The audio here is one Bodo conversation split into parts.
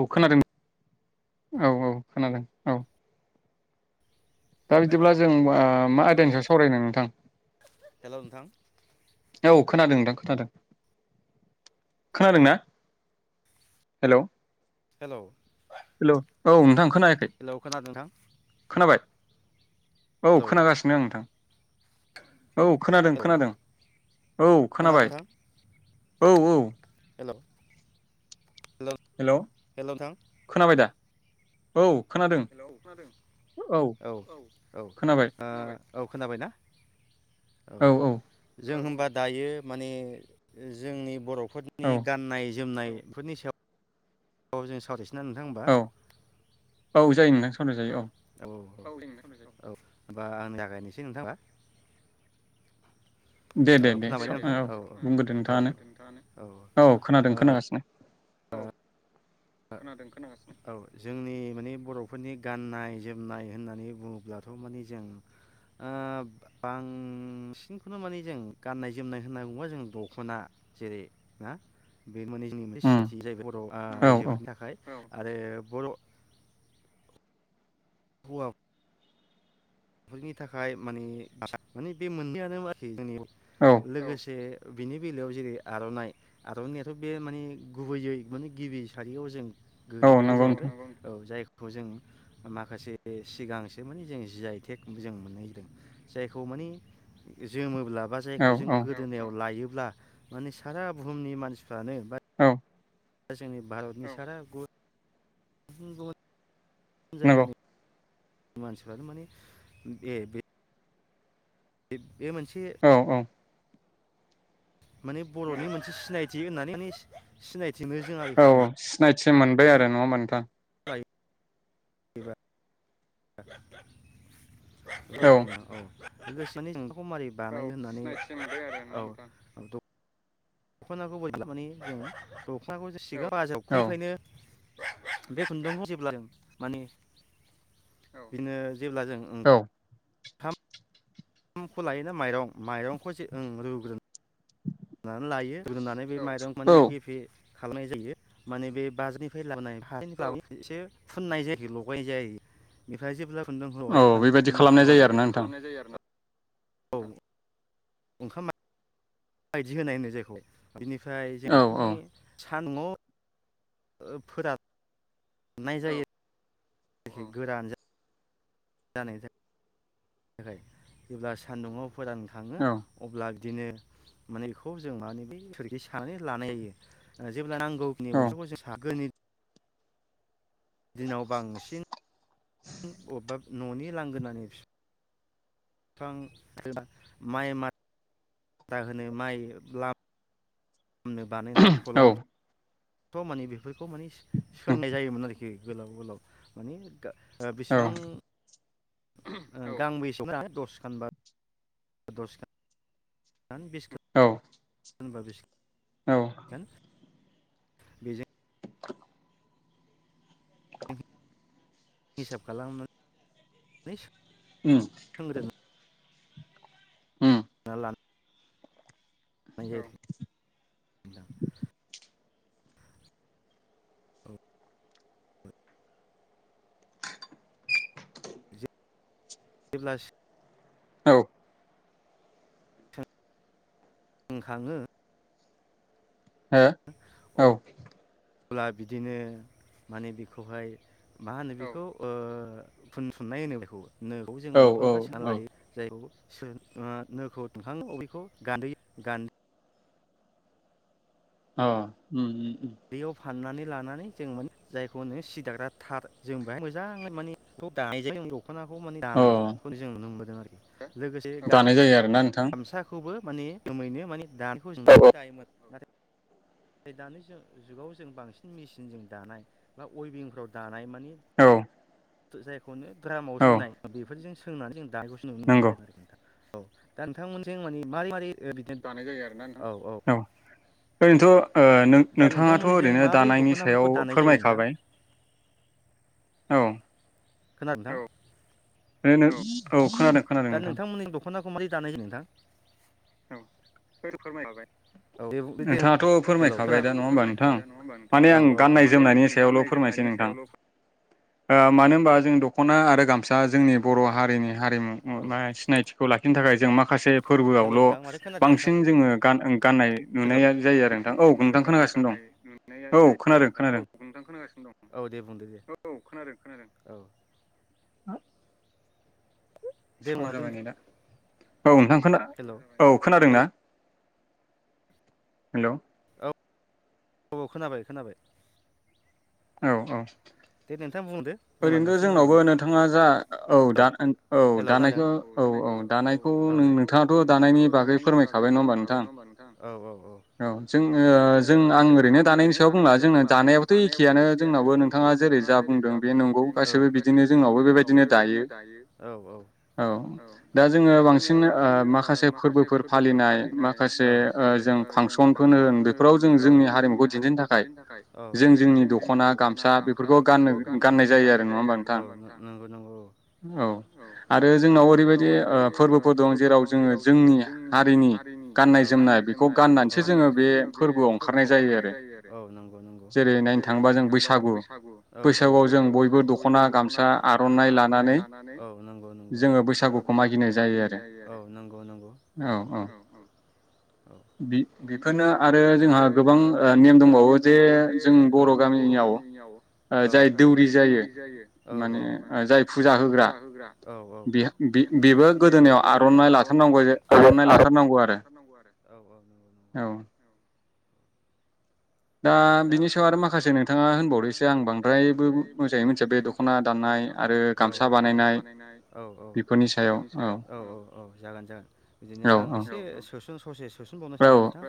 औ खोनादों औ औ खोनादों औ दा बिदिब्ला जों ओ मा आयदानि सायाव सावरायनो नोंथां हेलौ नोंथां खोनादों नोंथां खोनादों खोनादों ना हेलौ हेलौ हेलौ औ नोंथां खोनायाखै खोनाबाय औ खोनागासिनो आं नोंथां औ खोनादों खोनादों औ खोनाबाय औ औ हेलौ हेलौ हेलौ नोंथां खोनाबाय दा औ हेलौ खोनादों औ औ आ औ खोनाबाय ना औ औ जों होनबा दायो माने जोंनि बर' फोरनि गाननाय जोमनायफोरनि सायाव औ जों [unintelligible] औ औ जायो नोंथां सावराय जायो औ औ औ औ होनबा आं जागायनोसै नोंथां होमबा दे दे दे औ बुंग्रोदो नोंथाङानो औ खोनादों खोनागासिनो औ जोंनि माने बर'फोरनि गाननाय जोमनाय होननानै बुङोब्लाथ' माने जों ओ बांसिनखौनो माने जों गाननाय जोमनाय होनना बुङोबा जों दख'ना जेरै ना [unintelligible] आइजो थाखाय आरो बर' [unintelligible] फोरनि थाखाय माने माने बे [unintelligible] मोनसेयानो आरोखि लोगोसे बिनि बेलायाव जेरै आर'नाइ आर'नायाथ' बे माने गुबैयै माने गिबि सारियाव जों गोलैैयो जाहैबाय औ जाय खौ जों माखासे सिगांसो माने जों जि ए तेक जायखौ माने जोमोब्ला जायखौ जों गोदोनायाव लायो अब्ला माने सारा बुहुमनि मानसिफ्रानो [inaudible] दा जोंनि भारतनि सारा गु [unintelligible] जायगानि मानसिफ्रानो माने ए बे [unintelligible] बे मोनसे माने बर'नि मोनसे सिनायथि होननानै निस सिनाय [unintelligible] थि मोनबाय आरो, नङा ओमबा नोंथां? [inaudible] [inaudible] [unintelligible] औ। लोगोसे माने जों माने बेखौ मारै बानायो होननानै, औ। [unintelligible] [unintelligible] बे खुन्दुंखौ जेब्ला जों माने बि [inaudible] नो जेब्ला जों ओं खमखौ लायोना माइरं माइरंखो जे ओं रुग्रोना नानै लायो रुनानै बे माइरं माने गेफे खालामनाय जायो माने बे बाज [inaudible] निफ्राय लाबोनाय ह [inaudible] निफ्राय एसे फुननाय जायो, लगायनाय जायो। बेनिफ्राय जेब्ला खुन्दुंखौ हायख्लाङो बिदिनो फुं [unintelligible] औ। ओंखाम मा मायदि होनाय होनो जायखौ। बिनिफाय जों बेखौ माने सा [inaudible] उङाव ओ फोरान नाय जायो। गोरान जा [unintelligible] जेब्ला सान्दुङाव फोरानखाङो अब्ला दिनो माने बेखौ जों माने बै सोरखि सानानै लानाय जायो। जेब्ला नांगौ खिनि मुसाखौ जों सागोन दिनाव बांसिन अबेबा न'नि लांगोनानि फिफां माइ मारा होनो माइ अमनो बानायनाय खलान। थ मानि बे फोरखौ माने सो-सोंनाय जायोमोन आरोखि। बे गोलाव गोलाव माने ओ बेसेबां गांबसे बा दसखानबा दसखान खान बेसे औ होनब्ला बिसि [unintelligible] बेजों [inaudible] हिसाब खालामनानै उम हम [inaudible] नंगौ [inaudible] औ बुंंखाङो हो औ खुला बिदिनो माने बेखौहाय मा होनो बेखौ ओ फुनथुननाय होनो बेखौबो नोखौ जों मोनफा मोनफा सोनना लायो जायखौ [inaudible] अ उम उम [inaudible] साननानै लानानै जों मोन जायखौनो सिदाग्रा थार जों बे मोजाङै माने दानायजों दख'नाखौ माने दानायखौ जों नुनो मोनदों आरो दानाय जायो आरो ना नों गामसाखौ बो माने जोमैनो माने दानायखौ जों जायोमोन नाथाय नथाय दानि जुगाव जों बांसिन मेचिनजों दानाय बा अइभिंफ्राव दानायमोन [inaudible] [inaudible] खौनो द्रामाव सोंनाय बेफोरजों सोंनानै जों दानायखौसो नुनो मोनो जाय आरोखि दा औ दा नोंथांमोनजों मानि मारै मारै बिदिनो दानाय जायो आरोना औ ओरैनोथ' ओ नों नोंथाङाथ' ओरैनो दानायनि सायाव फोरमायखाबाय। औ। खोनादोंना औ। बे नो औ खोनादों खोनादों नोंथां। दानाय जायो नोंथां औ फोरमायहरबाय। नोंथाङाथ' फोरमायखाबाय दा नङा होमबा नोंथां माने आं गाननाय जोमनायनि सायावल' फोरमायनोसै नोंथां ओ मानो होनबा जों दख'ना आरो गामसा जोंनि बर' हारिनि। हारिमु ओ बा सिनायथिखौ लाखिनो थाखाय। जों मा माखासे फोरबोआवल' बांसिन जोङो गान ओ गाननाय। हेलौ औ दे बुं दे दे दे औ। औ खोनादों खोनादों औ। हा स्ल जाबाय नेदा औ नोंथां खोना औ खोनादों ना। हेलौ औ खोनाबाय खोनाबाय। औ औ ओरैनोथ' जोंनावबो नोंथाङा जा। औ दा औ दानायखौ औ औ दानायखौ नों नोंथाङाथ' दानायनि बागै फोरमायखाबाय नङा होमबा नोंथां औ जों ओ जों आं ओरैनो दानायनि सायाव बुंला जोङो दानायाबोथ' एक जानो जोंनावबो नोंथाङा जेरै जा बुंदों बे नंगौ गासैबो बिदिनो जोंनावबो बेबायदिनो दाय औ औ औ औ औ औ औ औ नंगौ नंगौ औ औ औ औ नोंगौ नोंगौ थांबा जों बैसागु बैसागुवाव जों बयबो दख'ना गामसा आर'ननाइ ला आरनाइ लानानै जोङो बैसागुखौ मागिनाय जायो आरो औ औ बेखौनो आरो जोंहा गोबां ओ नेम दंबावो जे औ औ औ औ औ जाय फुजा होग्रा औ औ बेबो गोदोनायाव आर'नाइ लाथारनांगौ आरो। दा बिनि सायाव आरो मा औ औ औ औ औ औ औ औ जागोन जागोन बिदिनो आं एसे सोसन सो प्रसेस सोसनबावनो सानबाय नोंथां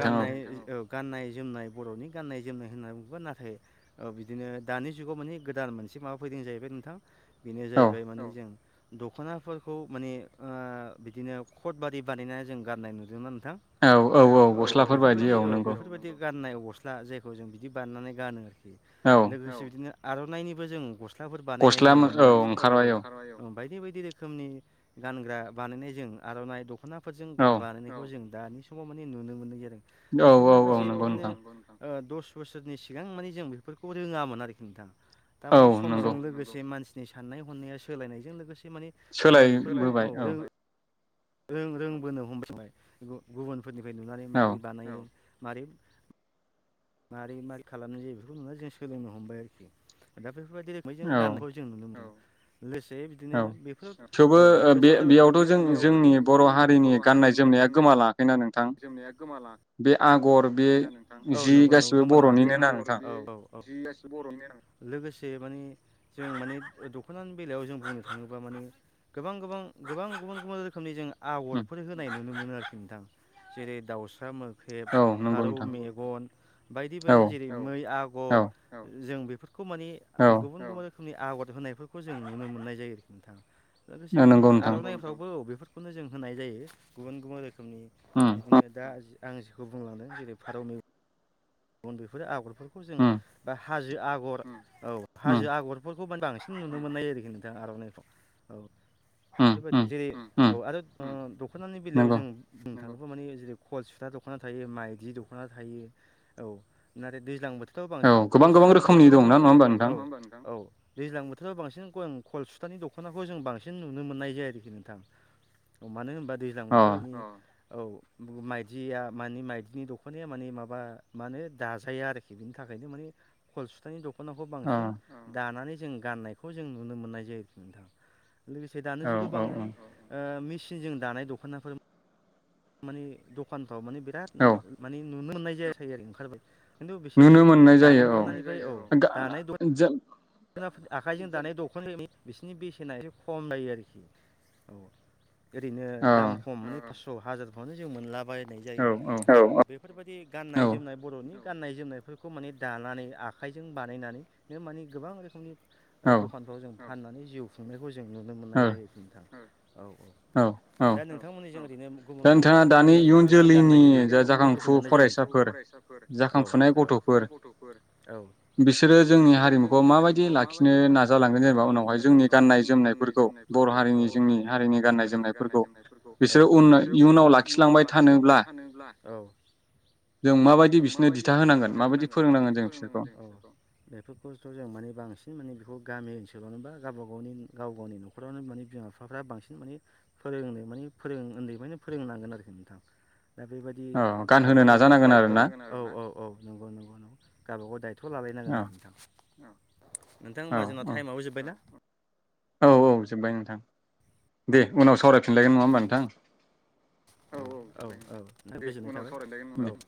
गाननाय औ गाननाय जोमनाय बर'नि गाननाय जोमनाय होननानै बुङोबा नाथाय ओ बिदिनो दानि जुगाव माने गोदान मोनसे माबा फैदों जाहैबाय नोंथां बेनो जाहैबाय माने जों दख'नाफोरखौ माने ओ बिदिनो खटबादि बानायना जों गाननाय नुदोंना नों औ औ औ गस्लाफोर बायदि औ नंगौ गाननाय गल्सा जायखौ जों बिदि बानायनानै गानो लोगोसे बिदिनो आर'नायनिबो जों गस स्लाफोर बानायनाय जों नुनो मोनसै औ ओं बायदि बायदि रोखोमनि गानग्रा बानायनायजों आर'नाइ दख'ना फोरजों गा बानायनायखौ जों दानि समाव माने नुनो मोननाय जादों औ औ औ नंगौ [unintelligible] ओ दस स बोसोरनि सिगां माने जों बेफोरखौ रोङामोन आरोखि नोंथां थारमाने समजों लोगोसे मानसि नि साननाय हनाया सोलायनायजों लोगोसे से माने जों बेफोरखौ औ रों रों रोंबोनो हमबाय गु गुबुन फोरनिफ्राय नुनानै माबोरै बानायो मारै मारै मारै खालामनाय जायो बेफोरखौ नुना जों सोलोंनो हमबाय आरोखि दा बेफोरबायदि रोखोमै जों गाननायखौ जों नुनो मोनदों लोगोसे बिदिनो बेफोर औ लोगोसे बे ओ बेयावथ' जों जोंनि बर' हारिनि गाननाय [inaudible] औ नंगौ नंगौ गोमालाङखै औ [inaudible] बरनि लोगोसे माने जों माने ओ दख'नानि बेलायाव जों बुंनो थाङोबा माने गोबां गोबां गोबां गुबुन गुबुन रोखोमनि जों आगरफोर होनाय नुनो मोनो आ नोंथां जेरै दाउसा मो ख्रेब फारौ मेगन बायदि बायदि जेरै मै आगर जों बेफ खौ माने गुबुन गुबुन खोमनि आगर होनायफोरखौ जों नुनो मोननाय जायो नोंथां। लोगोसे बिदिनो आरनाइफ्रावबो औ बेफोर बेखौनो जों होनाय जायो गुबुन गुबुन रोखोमनि। ओम। आं जेखौ बुंलांदों जेरै फारौ मे गन बेफोरो आगर बेफोरखौ जों बा हाजो आगर औ हाजो आगरफोर खौ बांसिन नुनो मोन्नाय आरोखि नोंथां आरनाइफ्राव औ। बेफोरबायदि जेरै औ आरो दखनानि बेलायाव जों बुंनो थाङो बा माने जेरै खल सुथा दखना थायो, माइदि दखना थायो। औ नाथाय दैज्लां बोथोर थ' बांसिन कलसुथानि दख'ना [unintelligible] दैज्लां बोथोराव बांसिन खलसुथानि दखनाखौ जों बांसिन नुनो मोननाय जायो आरोखि नोंथां मानो होनबा दैज्लां बोथोराव औ माइदिया मानि माइदिनि दखनाया मानि माबा मा होनो दाजाया आरोखि बिनि थाखायनो माने खल सुथानि द खनाखौ बांसिन दानानै जों गाननायखौ जों नुनो मोननाय जायो नोंथां। लोगोसे दानि जुगाव बां ओ मि बांसिन जों दानाय दखनाफोर माने दखान फ्राव माने बिराद ओम माने नुनो मोननाय जायाखै आरो ओंखारबाय खिन्थु बिसोरनि दानाय औ दानाय द आखाइजों दानाय दखना बिसोरनि बेसेना एसे खम जायो आरोखि औ। ओरैनो दाम खम हाजारफ्रावनो जों मोनला बायनाय जायो। बेफोरबायदि गाननाय जोमनाय बर'नि गाननाय जोमनायफोरखौ माने दानानै आखाइजों बानायनानैनो माने गोबां रोखोमनि ओ दखानफ्राव जों फाननानै जिउ खुंनायखौ जों नुनो मोननाय जायो नोंथां। दा नोंथांमोननिजों बिनो गुबुन मा मा रोखोमनि गनाय जोम दखनाफोरखौ मोननाय जायो नोंथां दानि जुगनि इउन जोलैनि फरायसाफोर औ जाखांफुनाय गथ' औ बिसोरो खौ माबायदि लाखिनो नाजालांगोन जेनेबा उनावहाय जोंनि गाननाय जोमनायफोरखौ बर' हारिनि जोंनि हारिनि गान्नाय जोमनायफोरखौ बिसोरो उन इयुनाव लाखिलांबाय थानोब्ला जों माबायदि बिसोरनो दिथा होनांगोन माबायदि फोरोंनांगोन जों बिसोरखौ बेखौ जों माने बांसिन माने बेखौ गामि ओनसोलावनो बा गावबा गावनि गाव गावनि न'खरावनो माने बिमा बिफाफ्रा बांसिन माने फोरोंनो माने फोरों उन्दैनिफ्रायनो फोरोंनांगोन आरोखि नोंथां दा बेबायदि गावबाव गावबाव औ औ औ औ नंगौ नंगौंगौ गबागाव दाय थ' लालायनांगोन आरोखि नोंथां औ नोंथां होमबा जोंना टाइमआबो जोब्बाय ना औ औ जोब्बाय नोंथां दे उनाव सावरायफिनलायगोन नङा होमबा नोंथां औ औ औ औ गोजोनाय थाबाय फरायलायगोन